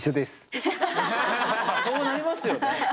そうなりますよね。